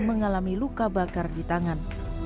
mengalami luka bakar di tangan